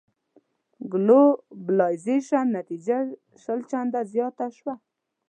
ګلوبلایزېشن نتيجه شل چنده زياته شوه.